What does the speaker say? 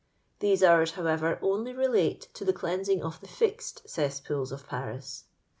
These hours, howi0er, only relate to the cleanmng of the fixed cesspools of Paris.